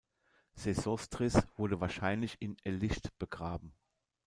Sesostris wurde wahrscheinlich in el-Lischt begraben.